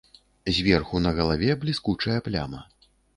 Зверху на галаве бліскучая пляма.